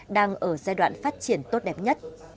đang ở giai đoạn phát triển tốt đẹp nhất